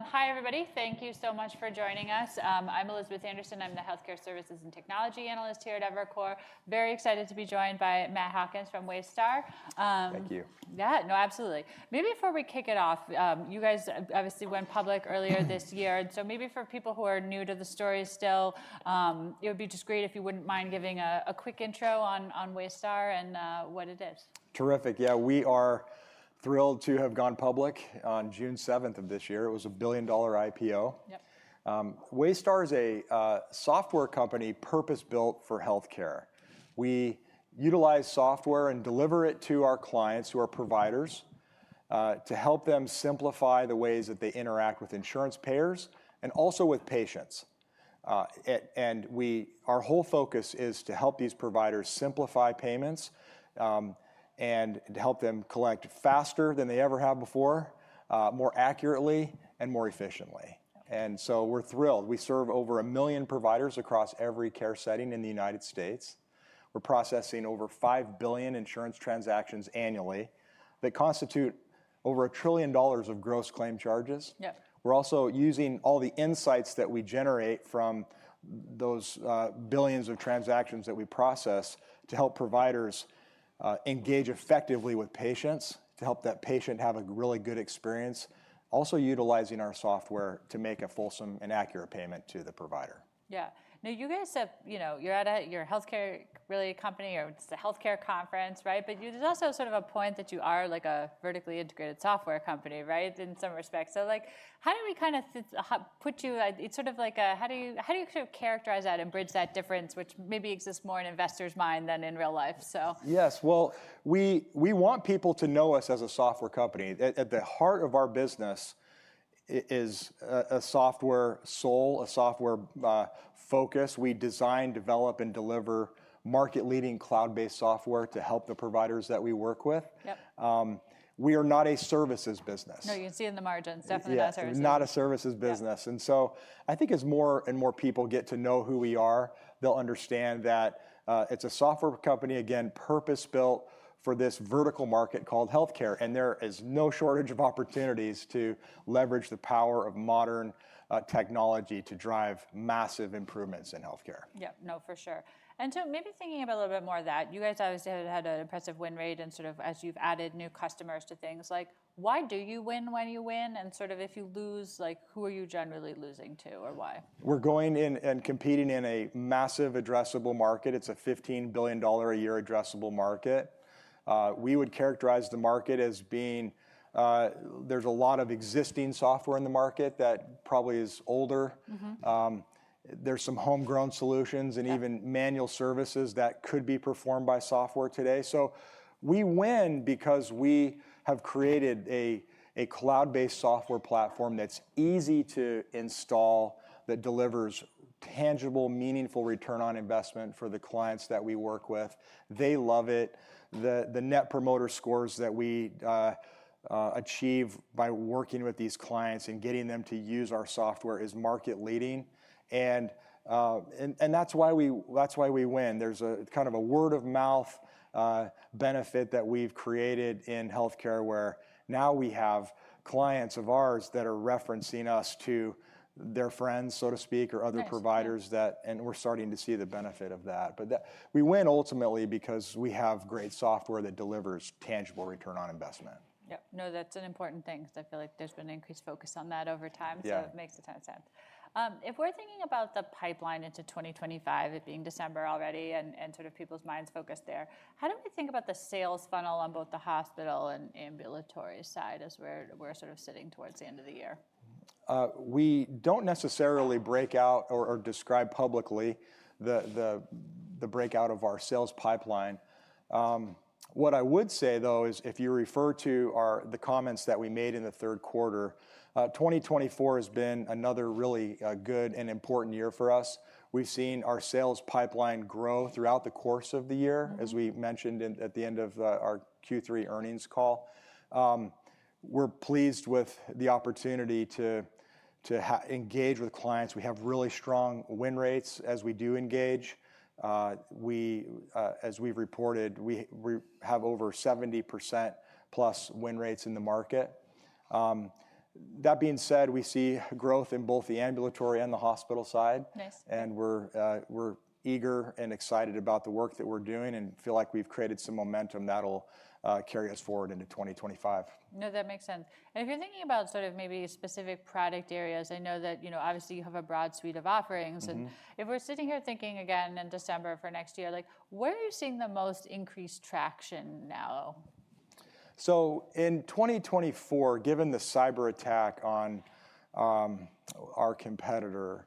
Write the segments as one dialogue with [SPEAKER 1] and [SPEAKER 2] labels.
[SPEAKER 1] Hi, everybody. Thank you so much for joining us. I'm Elizabeth Anderson. I'm the Healthcare Services and Technology Analyst here at Evercore. Very excited to be joined by Matt Hawkins from Waystar.
[SPEAKER 2] Thank you.
[SPEAKER 1] Yeah, no, absolutely. Maybe before we kick it off, you guys obviously went public earlier this year. So maybe for people who are new to the story still, it would be just great if you wouldn't mind giving a quick intro on Waystar and what it is.
[SPEAKER 2] Terrific. Yeah, we are thrilled to have gone public on June 7 of this year. It was a $1 billion IPO. Waystar is a software company purpose-built for healthcare. We utilize software and deliver it to our clients who are providers to help them simplify the ways that they interact with insurance payers and also with patients. And our whole focus is to help these providers simplify payments and to help them collect faster than they ever have before, more accurately, and more efficiently. And so we're thrilled. We serve over 1 million providers across every care setting in the United States. We're processing over 5 billion insurance transactions annually that constitute over $1 trillion of gross claim charges. We're also using all the insights that we generate from those billions of transactions that we process to help providers engage effectively with patients, to help that patient have a really good experience, also utilizing our software to make a fulsome and accurate payment to the provider.
[SPEAKER 1] Yeah. Now, you guys have, you know, you're at your healthcare ready company or it's a healthcare conference, right? But there's also sort of a point that you are like a vertically integrated software company, right, in some respects. So how do we kind of put you? It's sort of like, how do you sort of characterize that and bridge that difference, which maybe exists more in investors' minds than in real life?
[SPEAKER 2] Yes. Well, we want people to know us as a software company. At the heart of our business is a software soul, a software focus. We design, develop, and deliver market-leading cloud-based software to help the providers that we work with. We are not a services business.
[SPEAKER 1] No, you can see in the margins, definitely not a service.
[SPEAKER 2] Yeah, not a services business. And so I think as more and more people get to know who we are, they'll understand that it's a software company, again, purpose-built for this vertical market called healthcare. And there is no shortage of opportunities to leverage the power of modern technology to drive massive improvements in healthcare.
[SPEAKER 1] Yeah, no, for sure. And so maybe thinking about a little bit more of that, you guys obviously have had an impressive win rate and sort of as you've added new customers to things, like, why do you win when you win? And sort of if you lose, like, who are you generally losing to or why?
[SPEAKER 2] We're going and competing in a massive addressable market. It's a $15 billion a year addressable market. We would characterize the market as being there's a lot of existing software in the market that probably is older. There's some homegrown solutions and even manual services that could be performed by software today. So we win because we have created a cloud-based software platform that's easy to install that delivers tangible, meaningful return on investment for the clients that we work with. They love it. The Net Promoter Scores that we achieve by working with these clients and getting them to use our software is market-leading. And that's why we win. There's a kind of a word-of-mouth benefit that we've created in healthcare where now we have clients of ours that are referencing us to their friends, so to speak, or other providers that, and we're starting to see the benefit of that. But we win ultimately because we have great software that delivers tangible return on investment.
[SPEAKER 1] Yep. No, that's an important thing because I feel like there's been increased focus on that over time. So it makes a ton of sense. If we're thinking about the pipeline into 2025, it being December already and sort of people's minds focused there, how do we think about the sales funnel on both the hospital and ambulatory side as we're sort of sitting towards the end of the year?
[SPEAKER 2] We don't necessarily break out or describe publicly the breakout of our sales pipeline. What I would say, though, is if you refer to the comments that we made in the third quarter, 2024 has been another really good and important year for us. We've seen our sales pipeline grow throughout the course of the year, as we mentioned at the end of our Q3 earnings call. We're pleased with the opportunity to engage with clients. We have really strong win rates as we do engage. As we've reported, we have over 70% plus win rates in the market. That being said, we see growth in both the ambulatory and the hospital side, and we're eager and excited about the work that we're doing and feel like we've created some momentum that'll carry us forward into 2025.
[SPEAKER 1] No, that makes sense. And if you're thinking about sort of maybe specific product areas, I know that, you know, obviously you have a broad suite of offerings. And if we're sitting here thinking again in December for next year, like, where are you seeing the most increased traction now?
[SPEAKER 2] In 2024, given the cyber attack on our competitor,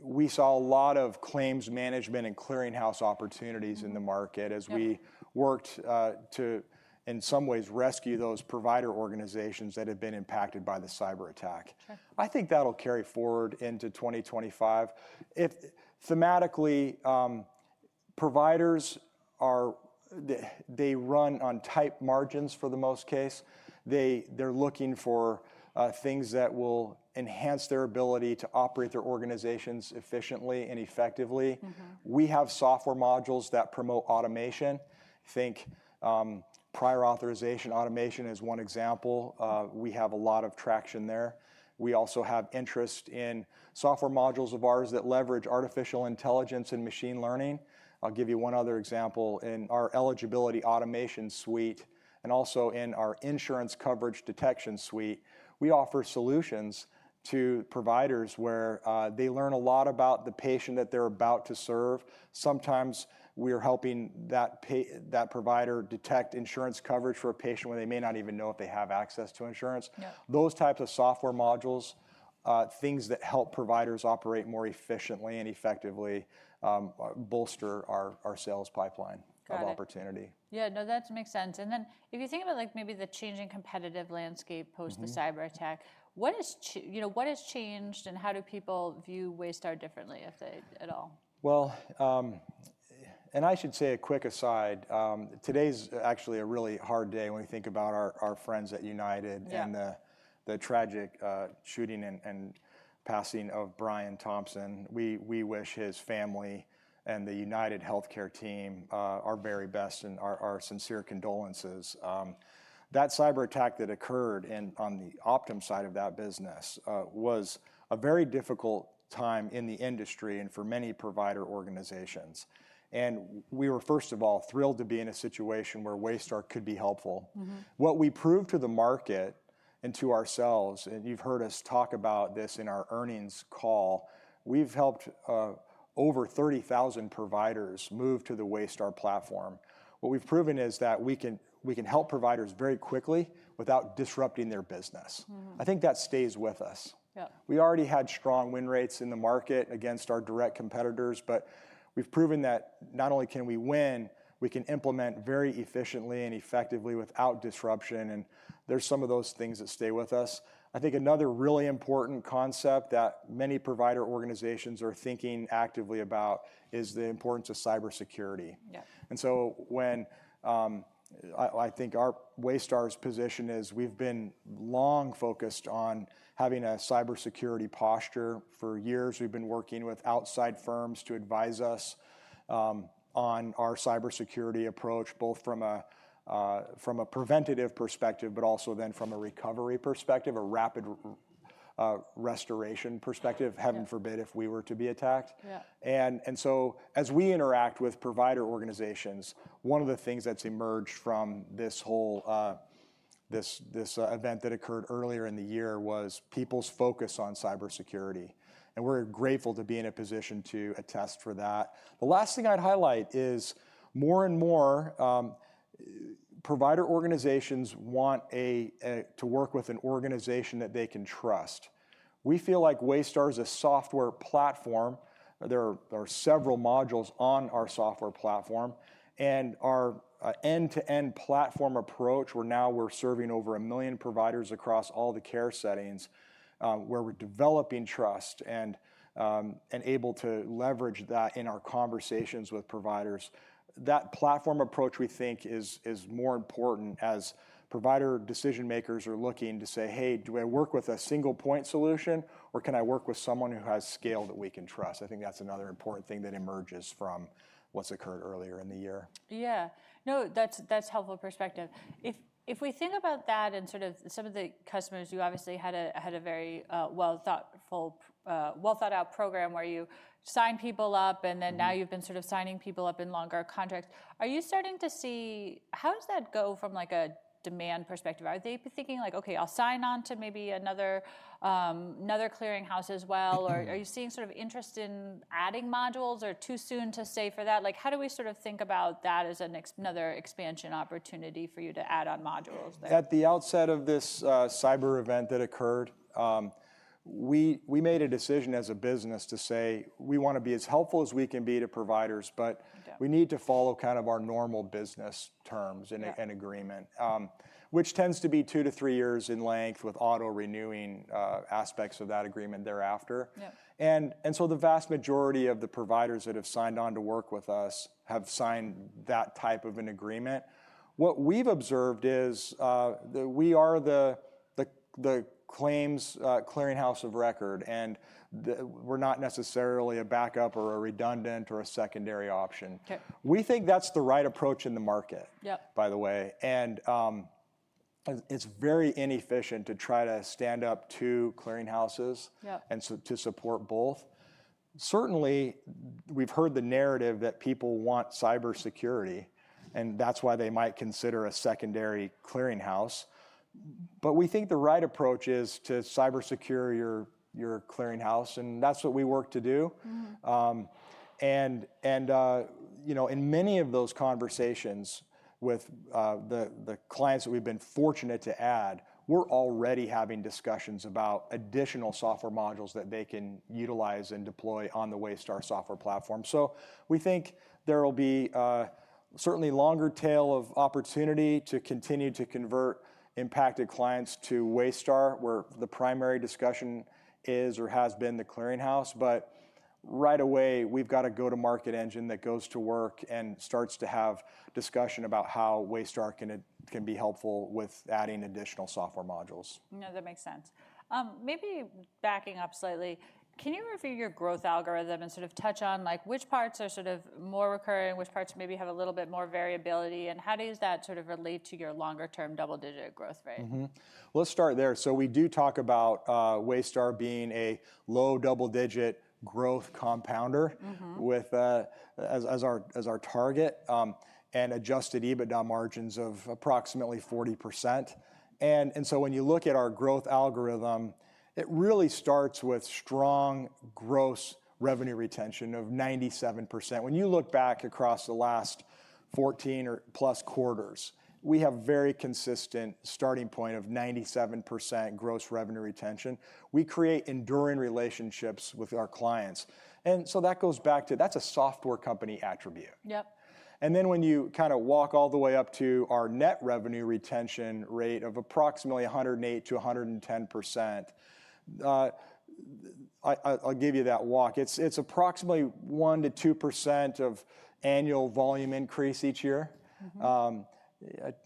[SPEAKER 2] we saw a lot of claims management and clearinghouse opportunities in the market as we worked to, in some ways, rescue those provider organizations that had been impacted by the cyber attack. I think that'll carry forward into 2025. Thematically, providers, they run on tight margins for the most part. They're looking for things that will enhance their ability to operate their organizations efficiently and effectively. We have software modules that promote automation. Think prior authorization automation is one example. We have a lot of traction there. We also have interest in software modules of ours that leverage artificial intelligence and machine learning. I'll give you one other example. In our eligibility automation suite and also in our insurance coverage detection suite, we offer solutions to providers where they learn a lot about the patient that they're about to serve. Sometimes we are helping that provider detect insurance coverage for a patient where they may not even know if they have access to insurance. Those types of software modules, things that help providers operate more efficiently and effectively, bolster our sales pipeline of opportunity.
[SPEAKER 1] Yeah, no, that makes sense. And then if you think about like maybe the changing competitive landscape post the cyber attack, what has changed and how do people view Waystar differently, if at all?
[SPEAKER 2] Well, and I should say a quick aside. Today's actually a really hard day when we think about our friends at United and the tragic shooting and passing of Brian Thompson. We wish his family and the UnitedHealthcare team our very best and our sincere condolences. That cyber attack that occurred on the Optum side of that business was a very difficult time in the industry and for many provider organizations. And we were, first of all, thrilled to be in a situation where Waystar could be helpful. What we proved to the market and to ourselves, and you've heard us talk about this in our earnings call, we've helped over 30,000 providers move to the Waystar platform. What we've proven is that we can help providers very quickly without disrupting their business. I think that stays with us. We already had strong win rates in the market against our direct competitors, but we've proven that not only can we win, we can implement very efficiently and effectively without disruption. And there's some of those things that stay with us. I think another really important concept that many provider organizations are thinking actively about is the importance of cybersecurity. And so when I think our Waystar's position is we've been long focused on having a cybersecurity posture for years. We've been working with outside firms to advise us on our cybersecurity approach, both from a preventative perspective, but also then from a recovery perspective, a rapid restoration perspective, heaven forbid if we were to be attacked. And so as we interact with provider organizations, one of the things that's emerged from this whole, this event that occurred earlier in the year was people's focus on cybersecurity. We're grateful to be in a position to attest for that. The last thing I'd highlight is more and more provider organizations want to work with an organization that they can trust. We feel like Waystar is a software platform. There are several modules on our software platform and our end-to-end platform approach where now we're serving over a million providers across all the care settings where we're developing trust and able to leverage that in our conversations with providers. That platform approach we think is more important as provider decision makers are looking to say, "Hey, do I work with a single point solution or can I work with someone who has scale that we can trust?" I think that's another important thing that emerges from what's occurred earlier in the year.
[SPEAKER 1] Yeah. No, that's helpful perspective. If we think about that and sort of some of the customers, you obviously had a very well-thought-out program where you sign people up and then now you've been sort of signing people up in longer contracts. Are you starting to see how does that go from like a demand perspective? Are they thinking like, "Okay, I'll sign on to maybe another clearinghouse as well"? Or are you seeing sort of interest in adding modules or too soon to say for that? Like how do we sort of think about that as another expansion opportunity for you to add on modules?
[SPEAKER 2] At the outset of this cyber event that occurred, we made a decision as a business to say, "We want to be as helpful as we can be to providers, but we need to follow kind of our normal business terms and agreement," which tends to be two to three years in length with auto-renewing aspects of that agreement thereafter. And so the vast majority of the providers that have signed on to work with us have signed that type of an agreement. What we've observed is that we are the claims clearinghouse of record and we're not necessarily a backup or a redundant or a secondary option. We think that's the right approach in the market, by the way. And it's very inefficient to try to stand up two clearinghouses and to support both. Certainly, we've heard the narrative that people want cybersecurity and that's why they might consider a secondary clearinghouse. But we think the right approach is to cybersecure your clearinghouse and that's what we work to do. And you know, in many of those conversations with the clients that we've been fortunate to add, we're already having discussions about additional software modules that they can utilize and deploy on the Waystar software platform. So we think there will be certainly a longer tail of opportunity to continue to convert impacted clients to Waystar where the primary discussion is or has been the clearinghouse. But right away, we've got a go-to-market engine that goes to work and starts to have discussion about how Waystar can be helpful with adding additional software modules.
[SPEAKER 1] No, that makes sense. Maybe backing up slightly, can you review your growth algorithm and sort of touch on like which parts are sort of more recurring, which parts maybe have a little bit more variability, and how does that sort of relate to your longer-term double-digit growth rate?
[SPEAKER 2] Let's start there. So we do talk about Waystar being a low double-digit growth compounder as our target and adjusted EBITDA margins of approximately 40%. And so when you look at our growth algorithm, it really starts with strong Gross Revenue Retention of 97%. When you look back across the last 14 or plus quarters, we have a very consistent starting point of 97% Gross Revenue Retention. We create enduring relationships with our clients. And so that goes back to that's a software company attribute. And then when you kind of walk all the way up to our Net Revenue Retention rate of approximately 108%-110%, I'll give you that walk. It's approximately 1%-2% of annual volume increase each year.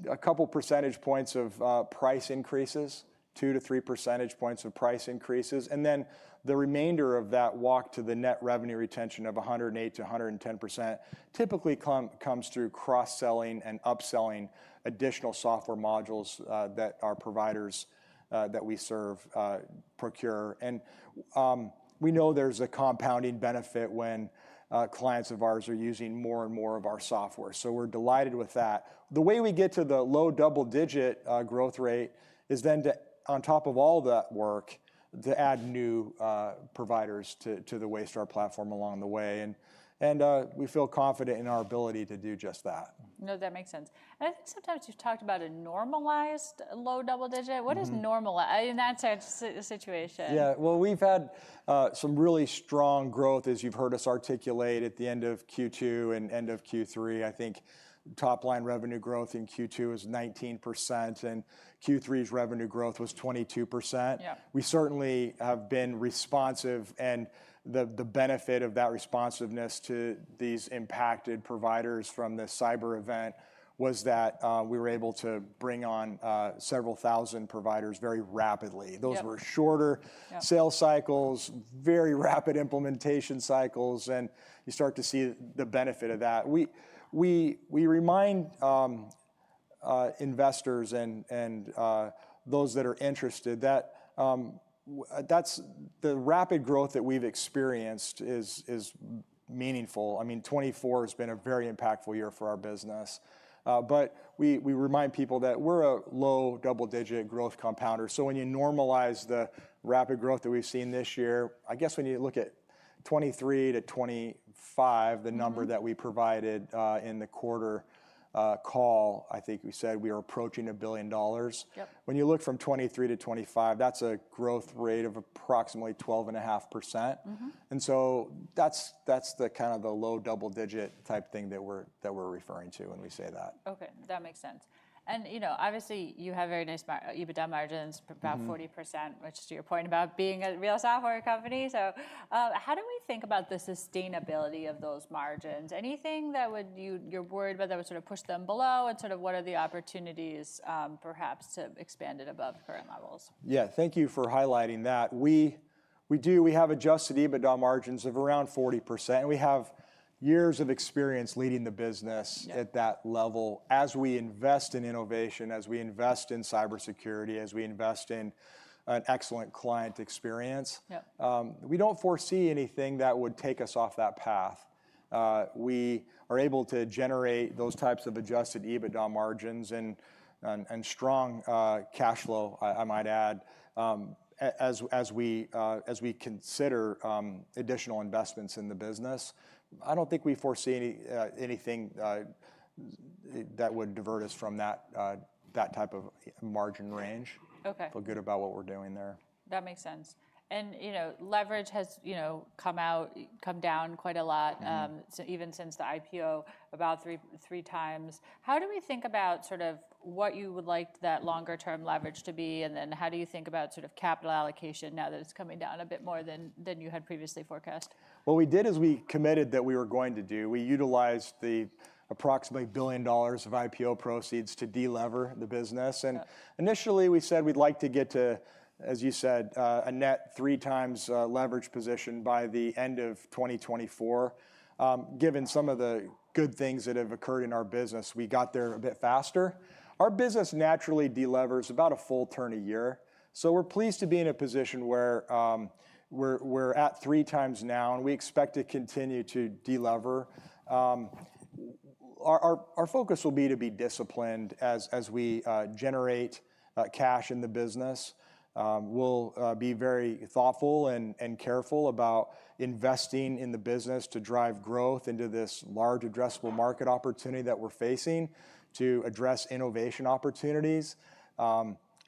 [SPEAKER 2] A couple percentage points of price increases, 2 to 3 percentage points of price increases. And then the remainder of that walk to the net revenue retention of 108%-110% typically comes through cross-selling and upselling additional software modules that our providers that we serve procure. And we know there's a compounding benefit when clients of ours are using more and more of our software. So we're delighted with that. The way we get to the low double-digit growth rate is then to, on top of all that work, to add new providers to the Waystar platform along the way. And we feel confident in our ability to do just that.
[SPEAKER 1] No, that makes sense. And I think sometimes you've talked about a normalized low double-digit. What is normalized in that situation?
[SPEAKER 2] Yeah, well, we've had some really strong growth as you've heard us articulate at the end of Q2 and end of Q3. I think top-line revenue growth in Q2 was 19% and Q3's revenue growth was 22%. We certainly have been responsive and the benefit of that responsiveness to these impacted providers from the cyber event was that we were able to bring on several thousand providers very rapidly. Those were shorter sales cycles, very rapid implementation cycles, and you start to see the benefit of that. We remind investors and those that are interested that the rapid growth that we've experienced is meaningful. I mean, 2024 has been a very impactful year for our business. But we remind people that we're a low double-digit growth compounder. So when you normalize the rapid growth that we've seen this year, I guess when you look at 2023 to 2025, the number that we provided in the quarter call, I think we said we were approaching $1 billion. When you look from 2023 to 2025, that's a growth rate of approximately 12.5%. And so that's the kind of the low double-digit type thing that we're referring to when we say that.
[SPEAKER 1] Okay, that makes sense, and you know, obviously you have very nice EBITDA margins, about 40%, which, to your point, about being a real software company, so how do we think about the sustainability of those margins? Anything that you're worried about that would sort of push them below, and sort of what are the opportunities perhaps to expand it above current levels?
[SPEAKER 2] Yeah, thank you for highlighting that. We do, we have adjusted EBITDA margins of around 40% and we have years of experience leading the business at that level. As we invest in innovation, as we invest in cybersecurity, as we invest in an excellent client experience, we don't foresee anything that would take us off that path. We are able to generate those types of Adjusted EBITDA margins and strong cash flow, I might add, as we consider additional investments in the business. I don't think we foresee anything that would divert us from that type of margin range. Feel good about what we're doing there.
[SPEAKER 1] That makes sense, and you know, leverage has come down quite a lot even since the IPO about three times. How do we think about sort of what you would like that longer-term leverage to be, and then how do you think about sort of capital allocation now that it's coming down a bit more than you had previously forecast?
[SPEAKER 2] What we did is we committed that we were going to do. We utilized the approximately $1 billion of IPO proceeds to delever the business, and initially we said we'd like to get to, as you said, a net three times leverage position by the end of 2024. Given some of the good things that have occurred in our business, we got there a bit faster. Our business naturally delevers about a full turn a year, so we're pleased to be in a position where we're at three times now and we expect to continue to delever. Our focus will be to be disciplined as we generate cash in the business. We'll be very thoughtful and careful about investing in the business to drive growth into this large addressable market opportunity that we're facing to address innovation opportunities.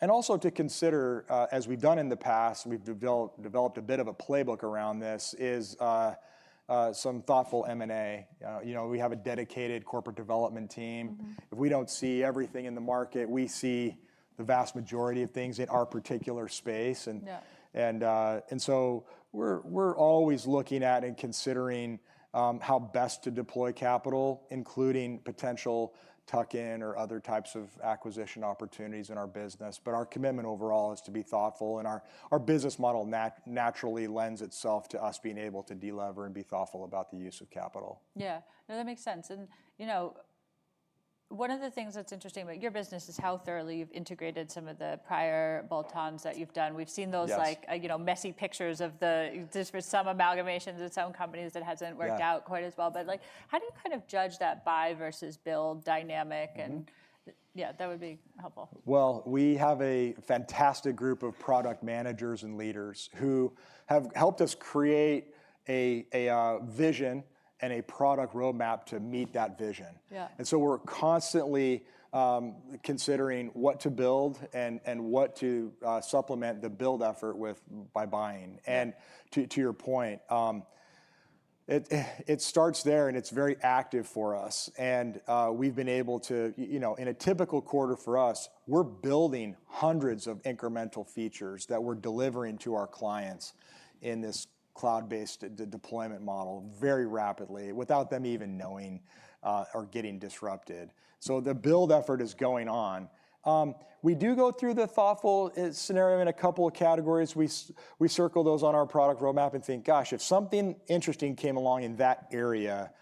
[SPEAKER 2] And also to consider, as we've done in the past, we've developed a bit of a playbook around this, is some thoughtful M&A. You know, we have a dedicated corporate development team. If we don't see everything in the market, we see the vast majority of things in our particular space. And so we're always looking at and considering how best to deploy capital, including potential tuck-in or other types of acquisition opportunities in our business. But our commitment overall is to be thoughtful, and our business model naturally lends itself to us being able to delever and be thoughtful about the use of capital.
[SPEAKER 1] Yeah. No, that makes sense. And you know, one of the things that's interesting about your business is how thoroughly you've integrated some of the prior bolt-ons that you've done. We've seen those like messy pictures of some amalgamations of some companies that haven't worked out quite as well. But like how do you kind of judge that buy versus build dynamic? And yeah, that would be helpful.
[SPEAKER 2] We have a fantastic group of product managers and leaders who have helped us create a vision and a product roadmap to meet that vision. So we're constantly considering what to build and what to supplement the build effort by buying. To your point, it starts there and it's very active for us. We've been able to, you know, in a typical quarter for us, we're building hundreds of incremental features that we're delivering to our clients in this cloud-based deployment model very rapidly without them even knowing or getting disrupted. The build effort is going on. We do go through the thoughtful scenario in a couple of categories. We circle those on our product roadmap and think, "Gosh, if something interesting came along in that area,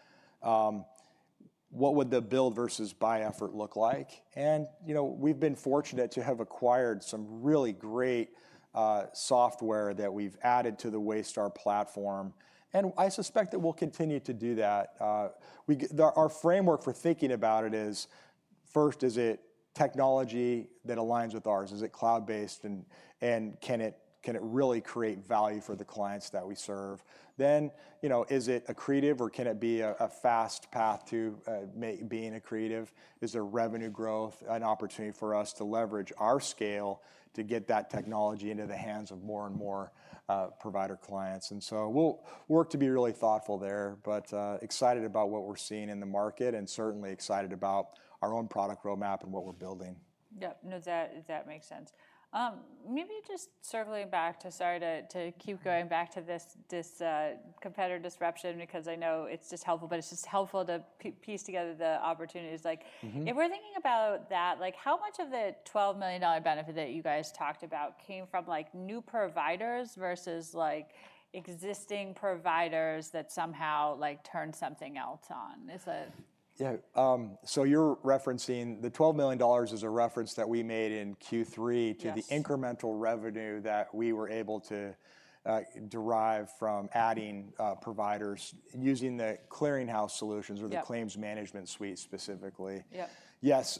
[SPEAKER 2] what would the build versus buy effort look like?", and you know, we've been fortunate to have acquired some really great software that we've added to the Waystar platform, and I suspect that we'll continue to do that. Our framework for thinking about it is, first, is it technology that aligns with ours? Is it cloud-based and can it really create value for the clients that we serve? Then, you know, is it accretive or can it be a fast path to being accretive? Is there revenue growth, an opportunity for us to leverage our scale to get that technology into the hands of more and more provider clients? We'll work to be really thoughtful there, but excited about what we're seeing in the market and certainly excited about our own product roadmap and what we're building.
[SPEAKER 1] Yep. No, that makes sense. Maybe just circling back to, sorry to keep going back to this competitor disruption because I know it's just helpful, but it's just helpful to piece together the opportunities. Like if we're thinking about that, like how much of the $12 million benefit that you guys talked about came from like new providers versus like existing providers that somehow like turned something else on? Is that?
[SPEAKER 2] Yeah, so you're referencing the $12 million is a reference that we made in Q3 to the incremental revenue that we were able to derive from adding providers using the clearinghouse solutions or the claims management suite specifically. Yes.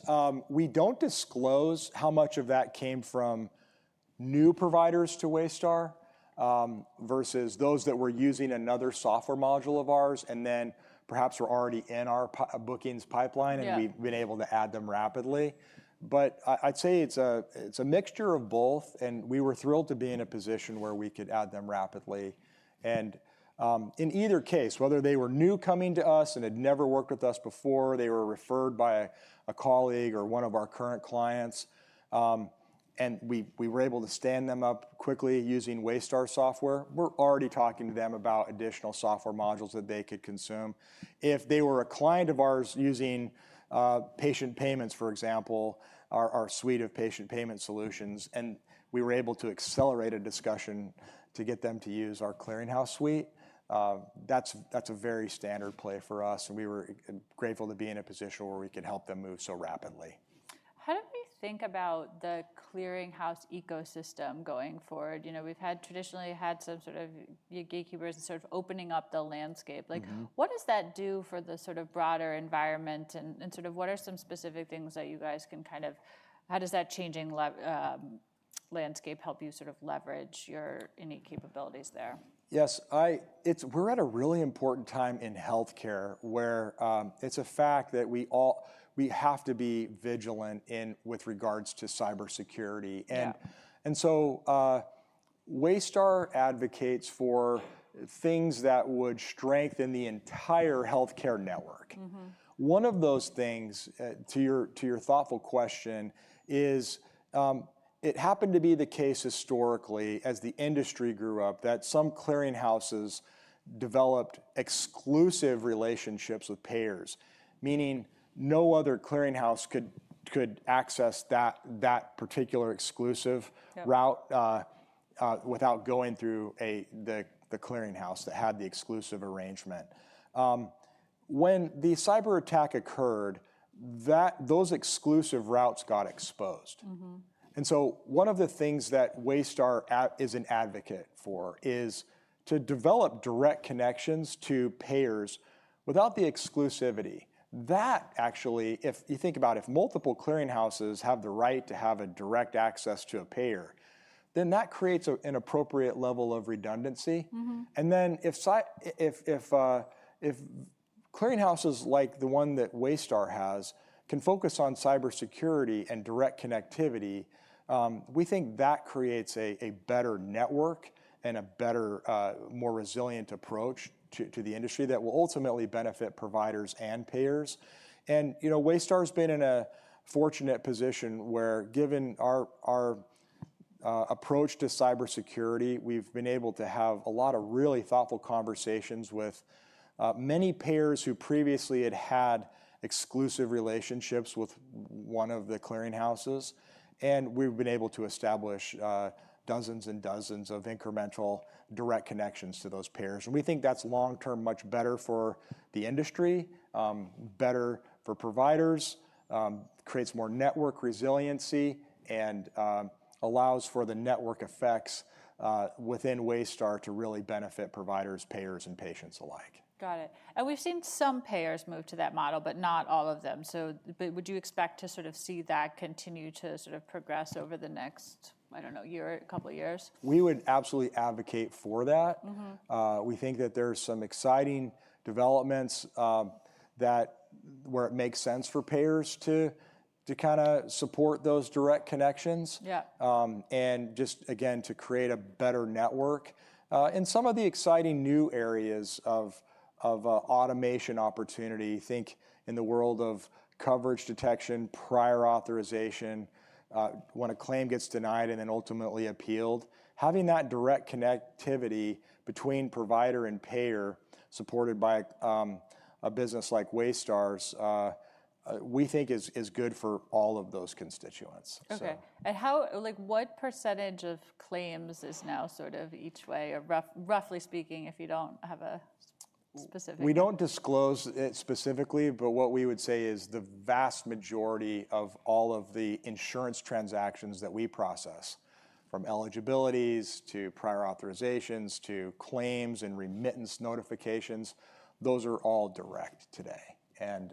[SPEAKER 2] We don't disclose how much of that came from new providers to Waystar versus those that were using another software module of ours and then perhaps were already in our bookings pipeline and we've been able to add them rapidly, but I'd say it's a mixture of both and we were thrilled to be in a position where we could add them rapidly, and in either case, whether they were new coming to us and had never worked with us before, they were referred by a colleague or one of our current clients, and we were able to stand them up quickly using Waystar software. We're already talking to them about additional software modules that they could consume. If they were a client of ours using patient payments, for example, our suite of patient payment solutions, and we were able to accelerate a discussion to get them to use our clearinghouse suite, that's a very standard play for us, and we were grateful to be in a position where we could help them move so rapidly.
[SPEAKER 1] How do we think about the clearinghouse ecosystem going forward? You know, we've traditionally had some sort of gatekeepers sort of opening up the landscape. Like what does that do for the sort of broader environment and sort of what are some specific things that you guys can kind of, how does that changing landscape help you sort of leverage your unique capabilities there?
[SPEAKER 2] Yes. We're at a really important time in healthcare where it's a fact that we have to be vigilant with regards to cybersecurity. And so Waystar advocates for things that would strengthen the entire healthcare network. One of those things, to your thoughtful question, is it happened to be the case historically as the industry grew up that some clearinghouses developed exclusive relationships with payers, meaning no other clearinghouse could access that particular exclusive route without going through the clearinghouse that had the exclusive arrangement. When the cyber attack occurred, those exclusive routes got exposed. And so one of the things that Waystar is an advocate for is to develop direct connections to payers without the exclusivity. That actually, if you think about it, if multiple clearinghouses have the right to have direct access to a payer, then that creates an appropriate level of redundancy. And then if clearinghouses like the one that Waystar has can focus on cybersecurity and direct connectivity, we think that creates a better network and a better, more resilient approach to the industry that will ultimately benefit providers and payers. And you know, Waystar has been in a fortunate position where given our approach to cybersecurity, we've been able to have a lot of really thoughtful conversations with many payers who previously had had exclusive relationships with one of the clearinghouses. And we've been able to establish dozens and dozens of incremental direct connections to those payers. And we think that's long-term much better for the industry, better for providers, creates more network resiliency, and allows for the network effects within Waystar to really benefit providers, payers, and patients alike.
[SPEAKER 1] Got it. And we've seen some payers move to that model, but not all of them. So would you expect to sort of see that continue to sort of progress over the next, I don't know, year, a couple of years?
[SPEAKER 2] We would absolutely advocate for that. We think that there's some exciting developments where it makes sense for payers to kind of support those direct connections and just again to create a better network, and some of the exciting new areas of automation opportunity, I think in the world of coverage detection, prior authorization, when a claim gets denied and then ultimately appealed, having that direct connectivity between provider and payer supported by a business like Waystar's, we think is good for all of those constituents.
[SPEAKER 1] Okay. And what percentage of claims is now sort of each way, roughly speaking, if you don't have a specific?
[SPEAKER 2] We don't disclose it specifically, but what we would say is the vast majority of all of the insurance transactions that we process, from eligibilities to prior authorizations to claims and remittance notifications, those are all direct today, and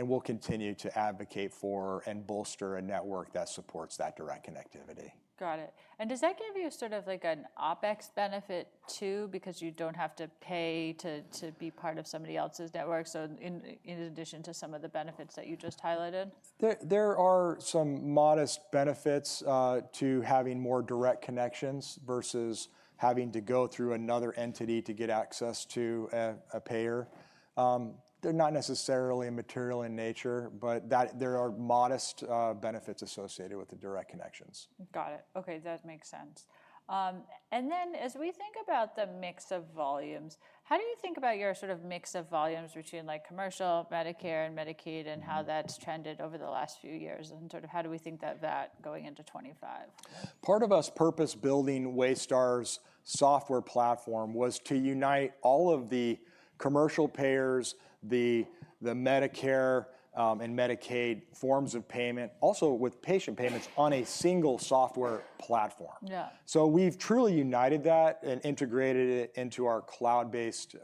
[SPEAKER 2] we'll continue to advocate for and bolster a network that supports that direct connectivity.
[SPEAKER 1] Got it. And does that give you sort of like an OpEx benefit too because you don't have to pay to be part of somebody else's network? So in addition to some of the benefits that you just highlighted?
[SPEAKER 2] There are some modest benefits to having more direct connections versus having to go through another entity to get access to a payer. They're not necessarily material in nature, but there are modest benefits associated with the direct connections.
[SPEAKER 1] Got it. Okay. That makes sense. And then as we think about the mix of volumes, how do you think about your sort of mix of volumes between like commercial, Medicare, and Medicaid and how that's trended over the last few years? And sort of how do we think that going into 2025?
[SPEAKER 2] Part of our purpose-building Waystar's software platform was to unite all of the commercial payers, the Medicare and Medicaid forms of payment, also with patient payments on a single software platform. So we've truly united that and integrated it into our cloud-based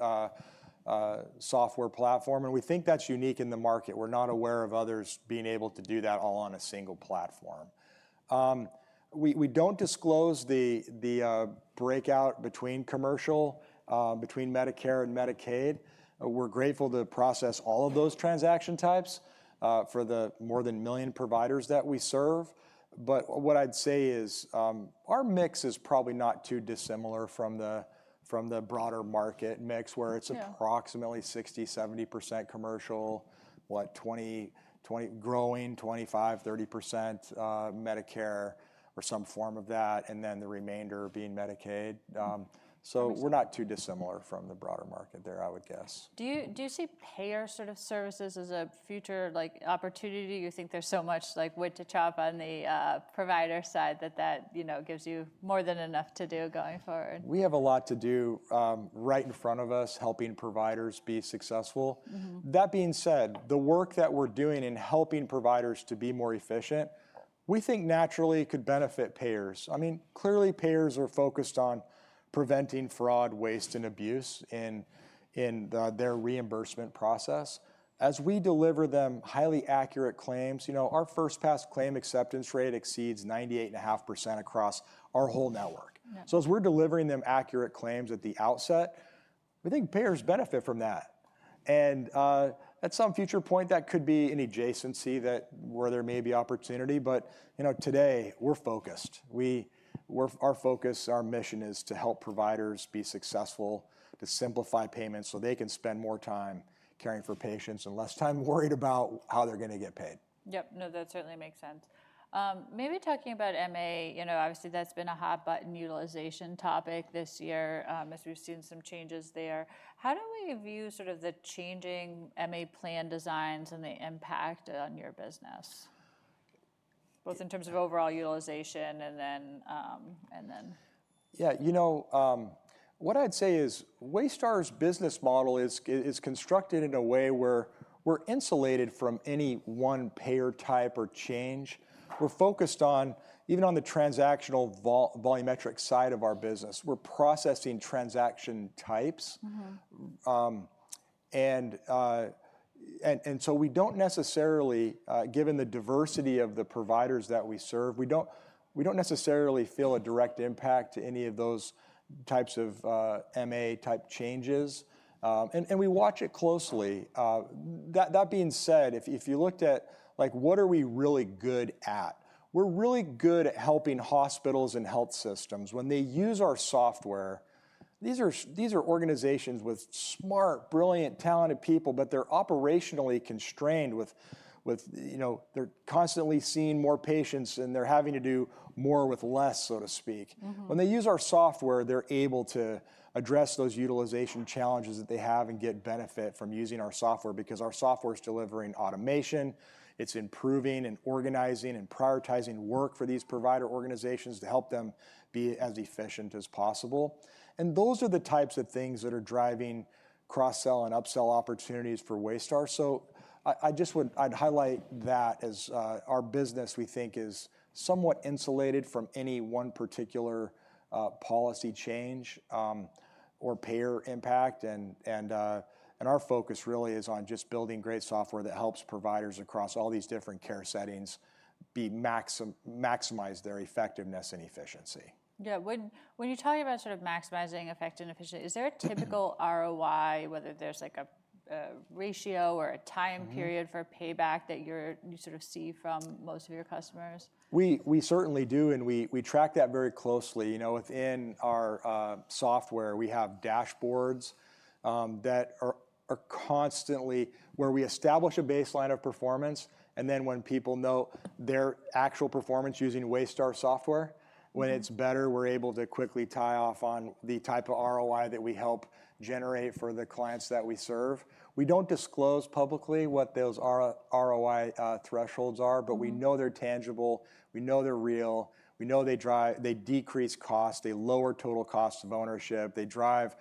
[SPEAKER 2] software platform. And we think that's unique in the market. We're not aware of others being able to do that all on a single platform. We don't disclose the breakout between commercial, between Medicare and Medicaid. We're grateful to process all of those transaction types for the more than a million providers that we serve. But what I'd say is our mix is probably not too dissimilar from the broader market mix where it's approximately 60%-70% commercial, roughly 25%-30% Medicare or some form of that, and then the remainder being Medicaid. So we're not too dissimilar from the broader market there, I would guess.
[SPEAKER 1] Do you see payer sort of services as a future opportunity? You think there's so much like wood to chop on the provider side that that gives you more than enough to do going forward?
[SPEAKER 2] We have a lot to do right in front of us helping providers be successful. That being said, the work that we're doing in helping providers to be more efficient, we think naturally could benefit payers. I mean, clearly payers are focused on preventing fraud, waste, and abuse in their reimbursement process. As we deliver them highly accurate claims, you know, our first-pass claim acceptance rate exceeds 98.5% across our whole network. So as we're delivering them accurate claims at the outset, we think payers benefit from that. And at some future point, that could be an adjacency where there may be opportunity. But you know, today we're focused. Our focus, our mission is to help providers be successful, to simplify payments so they can spend more time caring for patients and less time worried about how they're going to get paid.
[SPEAKER 1] Yep. No, that certainly makes sense. Maybe talking about MA, you know, obviously that's been a hot-button utilization topic this year as we've seen some changes there. How do we view sort of the changing MA plan designs and the impact on your business, both in terms of overall utilization and then?
[SPEAKER 2] Yeah. You know, what I'd say is Waystar's business model is constructed in a way where we're insulated from any one payer type or change. We're focused on even on the transactional volumetric side of our business. We're processing transaction types, and so we don't necessarily, given the diversity of the providers that we serve, we don't necessarily feel a direct impact to any of those types of MA type changes, and we watch it closely. That being said, if you looked at, like, what are we really good at? We're really good at helping hospitals and health systems. When they use our software, these are organizations with smart, brilliant, talented people, but they're operationally constrained with, you know, they're constantly seeing more patients and they're having to do more with less, so to speak. When they use our software, they're able to address those utilization challenges that they have and get benefit from using our software because our software is delivering automation. It's improving and organizing and prioritizing work for these provider organizations to help them be as efficient as possible, and those are the types of things that are driving cross-sell and upsell opportunities for Waystar, so I'd highlight that, as our business, we think, is somewhat insulated from any one particular policy change or payer impact, and our focus really is on just building great software that helps providers across all these different care settings maximize their effectiveness and efficiency.
[SPEAKER 1] Yeah. When you're talking about sort of maximizing effect and efficiency, is there a typical ROI, whether there's like a ratio or a time period for payback that you sort of see from most of your customers?
[SPEAKER 2] We certainly do. And we track that very closely. You know, within our software, we have dashboards that are constantly where we establish a baseline of performance. And then when people note their actual performance using Waystar software, when it's better, we're able to quickly tie off on the type of ROI that we help generate for the clients that we serve. We don't disclose publicly what those ROI thresholds are, but we know they're tangible. We know they're real. We know they decrease costs, they lower total costs of ownership, they drive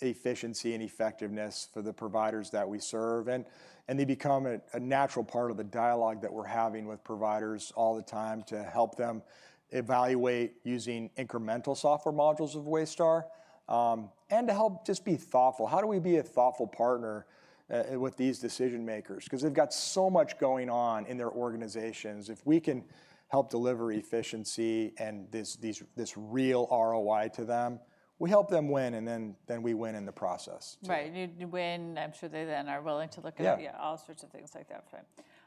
[SPEAKER 2] efficiency and effectiveness for the providers that we serve. And they become a natural part of the dialogue that we're having with providers all the time to help them evaluate using incremental software modules of Waystar and to help just be thoughtful. How do we be a thoughtful partner with these decision makers? Because they've got so much going on in their organizations. If we can help deliver efficiency and this real ROI to them, we help them win and then we win in the process.
[SPEAKER 1] Right. You win. I'm sure they then are willing to look at all sorts of things like that.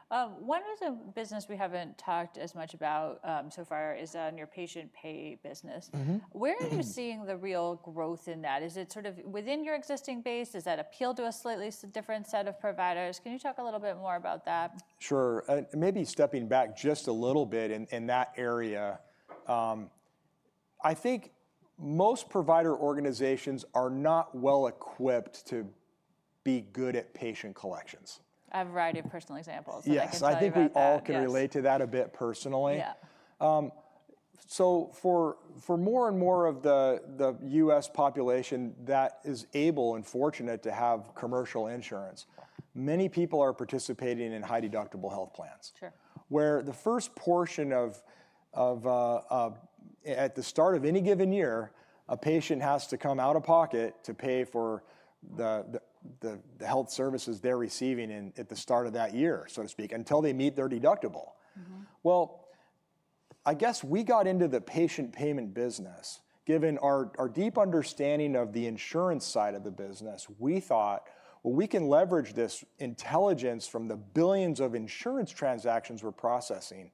[SPEAKER 1] One of the business we haven't talked as much about so far is on your patient pay business. Where are you seeing the real growth in that? Is it sort of within your existing base? Does that appeal to a slightly different set of providers? Can you talk a little bit more about that?
[SPEAKER 2] Sure. Maybe stepping back just a little bit in that area, I think most provider organizations are not well equipped to be good at patient collections.
[SPEAKER 1] I have a variety of personal examples.
[SPEAKER 2] Yes. I think we all can relate to that a bit personally. So for more and more of the U.S. population that is able and fortunate to have commercial insurance, many people are participating in high-deductible health plans. Where the first portion of at the start of any given year, a patient has to come out of pocket to pay for the health services they're receiving at the start of that year, so to speak, until they meet their deductible. Well, I guess we got into the patient payment business. Given our deep understanding of the insurance side of the business, we thought, well, we can leverage this intelligence from the billions of insurance transactions we're processing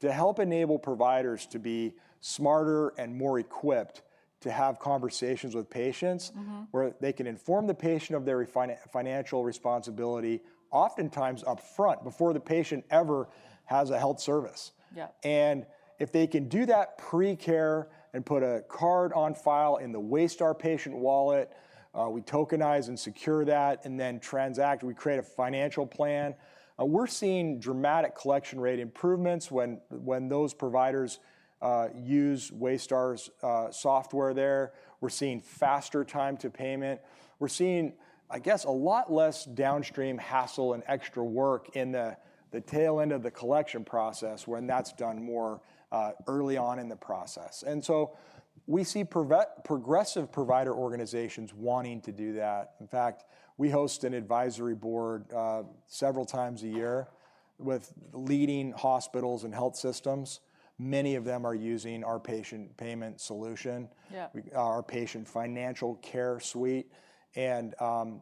[SPEAKER 2] to help enable providers to be smarter and more equipped to have conversations with patients where they can inform the patient of their financial responsibility oftentimes upfront before the patient ever has a health service, and if they can do that pre-care and put a card on file in the Waystar Patient Wallet, we tokenize and secure that and then transact, we create a financial plan. We're seeing dramatic collection rate improvements when those providers use Waystar's software there. We're seeing faster time to payment. We're seeing, I guess, a lot less downstream hassle and extra work in the tail end of the collection process when that's done more early on in the process. And so we see progressive provider organizations wanting to do that. In fact, we host an advisory board several times a year with leading hospitals and health systems. Many of them are using our patient payment solution, our Patient Financial Care suite and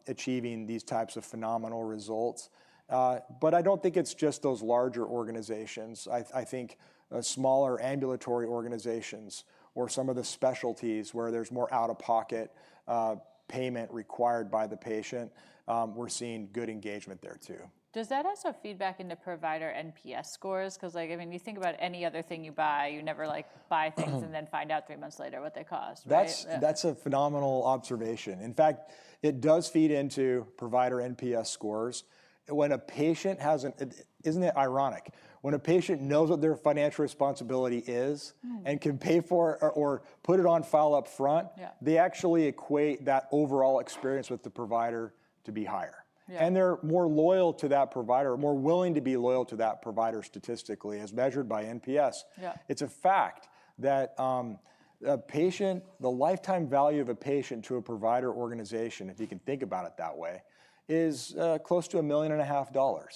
[SPEAKER 2] achieving these types of phenomenal results. But I don't think it's just those larger organizations. I think smaller ambulatory organizations or some of the specialties where there's more out-of-pocket payment required by the patient, we're seeing good engagement there too.
[SPEAKER 1] Does that also feed back into provider NPS scores? Because I mean, you think about any other thing you buy, you never like buy things and then find out three months later what they cost, right?
[SPEAKER 2] That's a phenomenal observation. In fact, it does feed into provider NPS scores. Isn't it ironic? When a patient knows what their financial responsibility is and can pay for it or put it on file upfront, they actually equate that overall experience with the provider to be higher. And they're more loyal to that provider, more willing to be loyal to that provider statistically as measured by NPS. It's a fact that a patient, the lifetime value of a patient to a provider organization, if you can think about it that way, is close to $1.5 million.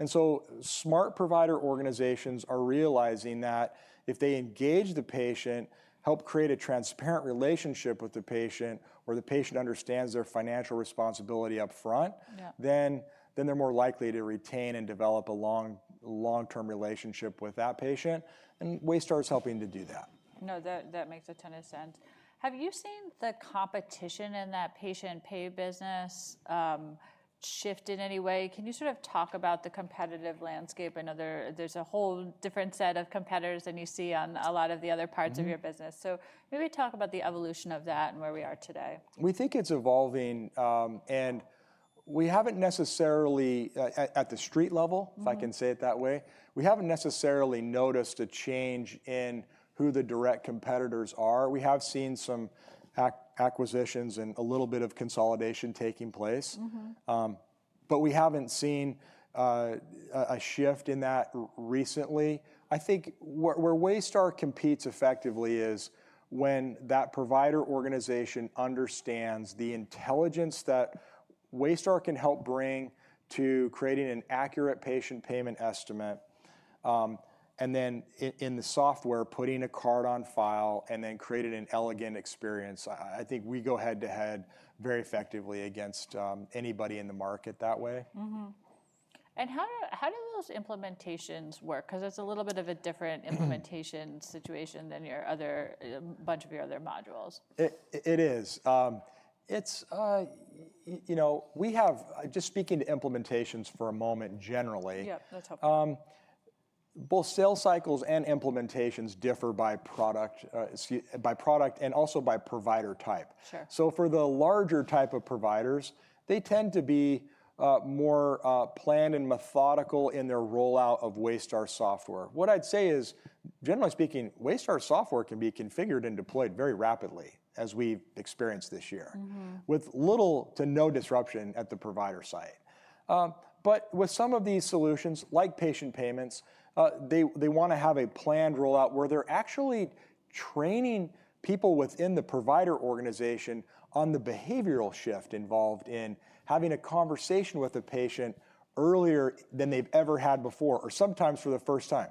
[SPEAKER 2] And so smart provider organizations are realizing that if they engage the patient, help create a transparent relationship with the patient, or the patient understands their financial responsibility upfront, then they're more likely to retain and develop a long-term relationship with that patient. Waystar is helping to do that.
[SPEAKER 1] No, that makes a ton of sense. Have you seen the competition in that patient pay business shift in any way? Can you sort of talk about the competitive landscape? I know there's a whole different set of competitors than you see on a lot of the other parts of your business. So maybe talk about the evolution of that and where we are today.
[SPEAKER 2] We think it's evolving, and we haven't necessarily at the street level, if I can say it that way, we haven't necessarily noticed a change in who the direct competitors are. We have seen some acquisitions and a little bit of consolidation taking place, but we haven't seen a shift in that recently. I think where Waystar competes effectively is when that provider organization understands the intelligence that Waystar can help bring to creating an accurate patient payment estimate and then in the software putting a card on file and then creating an elegant experience. I think we go head to head very effectively against anybody in the market that way.
[SPEAKER 1] How do those implementations work? Because it's a little bit of a different implementation situation than your other bunch of modules.
[SPEAKER 2] It is. You know, we have, just speaking to implementations for a moment generally, both sales cycles and implementations differ by product and also by provider type. So for the larger type of providers, they tend to be more planned and methodical in their rollout of Waystar software. What I'd say is, generally speaking, Waystar software can be configured and deployed very rapidly as we've experienced this year with little to no disruption at the provider site. But with some of these solutions like patient payments, they want to have a planned rollout where they're actually training people within the provider organization on the behavioral shift involved in having a conversation with a patient earlier than they've ever had before or sometimes for the first time.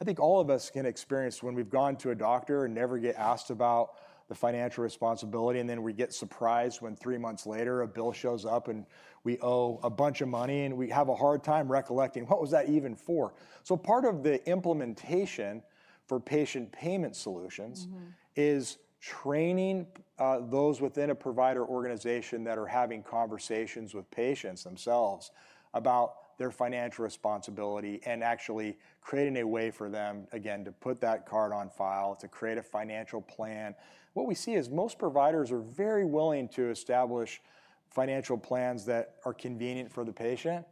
[SPEAKER 2] I think all of us can experience when we've gone to a doctor and never get asked about the financial responsibility and then we get surprised when three months later a bill shows up and we owe a bunch of money and we have a hard time recollecting what was that even for. So part of the implementation for patient payment solutions is training those within a provider organization that are having conversations with patients themselves about their financial responsibility and actually creating a way for them again to put that card on file to create a financial plan. What we see is most providers are very willing to establish financial plans that are convenient for the patient.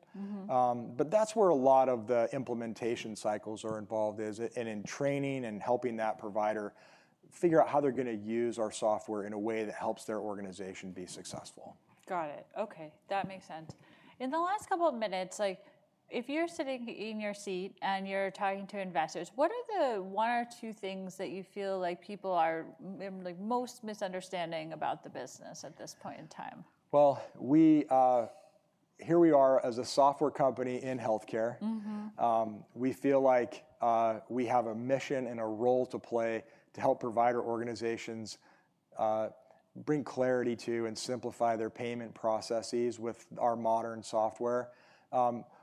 [SPEAKER 2] That's where a lot of the implementation cycles are involved is in training and helping that provider figure out how they're going to use our software in a way that helps their organization be successful.
[SPEAKER 1] Got it. Okay. That makes sense. In the last couple of minutes, if you're sitting in your seat and you're talking to investors, what are the one or two things that you feel like people are most misunderstanding about the business at this point in time?
[SPEAKER 2] Here we are as a software company in healthcare. We feel like we have a mission and a role to play to help provider organizations bring clarity to and simplify their payment processes with our modern software.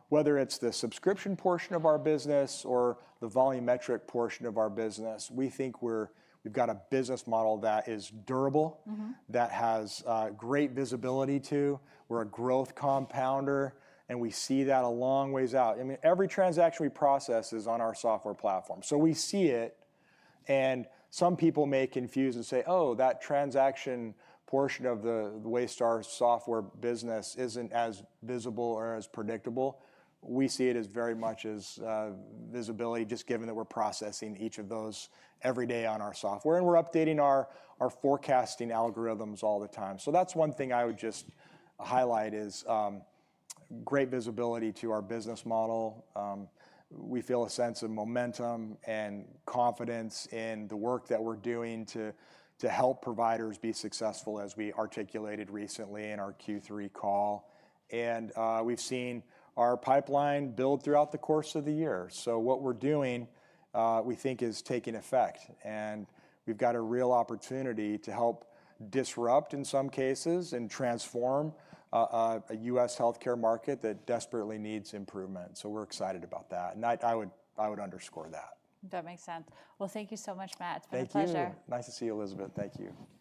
[SPEAKER 2] Whether it's the subscription portion of our business or the volumetric portion of our business, we think we've got a business model that is durable, that has great visibility to. We're a growth compounder and we see that a long ways out. I mean, every transaction we process is on our software platform. So we see it. And some people may confuse and say, oh, that transaction portion of the Waystar software business isn't as visible or as predictable. We see it as very much as visibility just given that we're processing each of those every day on our software. And we're updating our forecasting algorithms all the time. So that's one thing I would just highlight is great visibility to our business model. We feel a sense of momentum and confidence in the work that we're doing to help providers be successful as we articulated recently in our Q3 call. And we've seen our pipeline build throughout the course of the year. So what we're doing, we think, is taking effect. And we've got a real opportunity to help disrupt in some cases and transform a U.S. healthcare market that desperately needs improvement. So we're excited about that. And I would underscore that.
[SPEAKER 1] That makes sense. Well, thank you so much, Matt. It's been a pleasure.
[SPEAKER 2] Thank you. Nice to see you, Elizabeth. Thank you.